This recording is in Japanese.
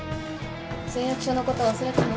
誓約書のこと忘れたの？